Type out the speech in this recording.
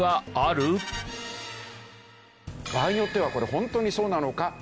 場合によってはこれ本当にそうなのか？